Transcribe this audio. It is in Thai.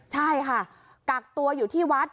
ใช่ค่ะกักตัวอยู่ที่วัด